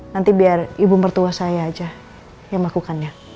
nanti biar ibu mertua saya aja yang melakukannya